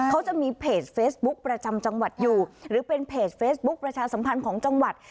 เขาจะมีเพจเฟซบุ๊คประจำจังหวัดอยู่หรือเป็นเพจเฟซบุ๊คประชาสัมพันธ์ของจังหวัด